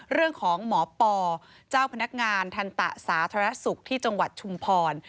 เรื่องของหมอปอเจ้าพนักงานทันตะสาธารณสุขที่จังหวัดชุมพร